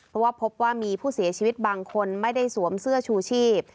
เพราะว่าพบว่ามีผู้เสียชีวิตบางคนไม่ได้สวมเสื้อชูชีพ